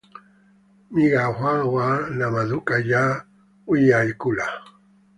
migahawa, na maduka ya vyakula.